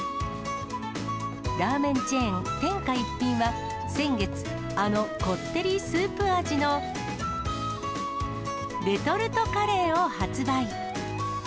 ラーメンチェーン、天下一品は、先月、あのこってりスープ味のレトルトカレーを発売。